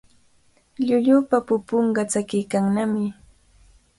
Llullupa pupunqa tsakiykannami.